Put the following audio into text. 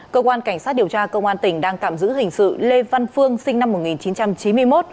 cơ quan cảnh sát điều tra công an tỉnh đang tạm giữ hình sự lê văn phương sinh năm một nghìn chín trăm chín mươi một